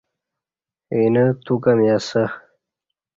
اینہ تو کہ می اسہ